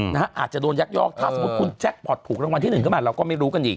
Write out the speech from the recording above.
ถ้าสมมุติคุณแจ็คปอดผูกรางวัลที่๑ก็มาเราก็ไม่รู้กันอีก